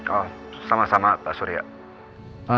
oh sama sama pak surya